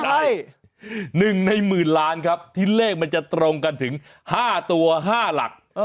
ใช่๑ในหมื่นล้านครับที่เลขมันจะตรงกันถึง๕ตัว๕หลัก